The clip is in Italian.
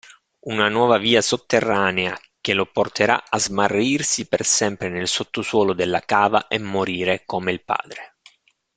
Una nuova via sotterranea che lo porterà a smarrirsi per sempre nel sottosuolo della cava e morire come il padre.